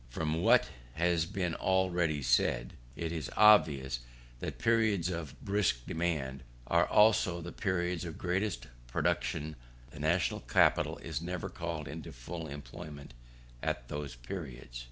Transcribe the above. From what has been already said, it is obvious that periods of "brisk demand" are also the periods of greatest production: the national capital is never called into full employment but at those periods.